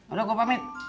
udah gue pamit